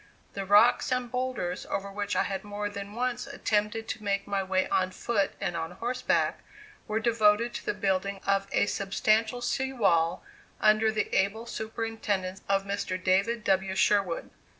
The rocks and boulders over which I had more than once attempted to make my way on foot and on horseback were devoted to the building of a substantial sea wall, under the able superintendence of Mr. David W. Sherwood.